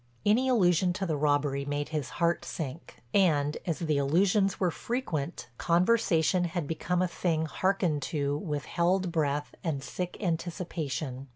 Any allusion to the robbery made his heart sink, and, as the allusions were frequent, conversation had become a thing harkened to with held breath and sick anticipation.